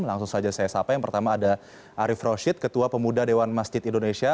langsung saja saya sapa yang pertama ada arief roshid ketua pemuda dewan masjid indonesia